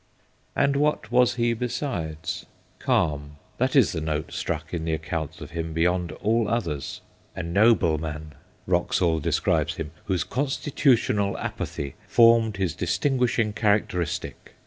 And what was he besides ? Calm that is the note struck in the accounts of him beyond all others. ' A nobleman/ Wraxall describes him, ' whose constitutional apathy formed his distinguishing characteristic.